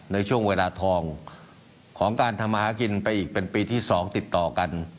ในช่วงเวลาทองของการทำมาหากินไปอีกเป็นปีที่๒ติดต่อกัน